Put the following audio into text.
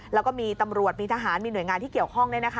แล้วก็มีตำรวจมีทหารมีหน่วยงานที่เกี่ยวข้อง